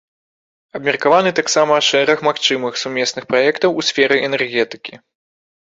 Абмеркаваны таксама шэраг магчымых сумесных праектаў у сферы энергетыкі.